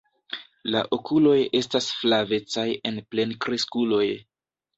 La okuloj estas flavecaj en plenkreskuloj.